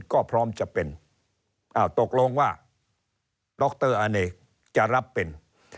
ก็พร้อมจะเป็นอ้าวตกลงว่าดรอเนกจะรับเป็น